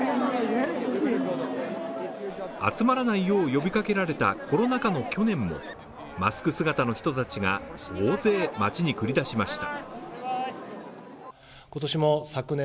集まらないよう呼びかけられたコロナ禍の去年もマスク姿の人たちが大勢街に繰り出しました。